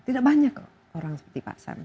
tidak banyak kok orang seperti pak sam